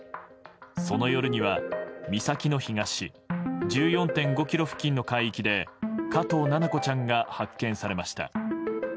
その夜には岬の東１４．５ｋｍ付近の海域で加藤七菜子ちゃんが発見されました。